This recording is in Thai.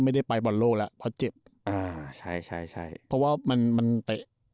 ไม่ได้ไปบอลโลกแล้วเพราะเจ็บอ่าใช่ใช่เพราะว่ามันมันเตะ